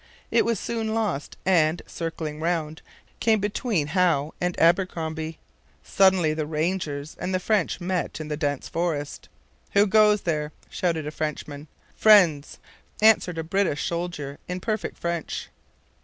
It was soon lost and, circling round, came between Howe and Abercromby. Suddenly the rangers and the French met in the dense forest. 'Who goes there?' shouted a Frenchman. 'Friends!' answered a British soldier in perfect French.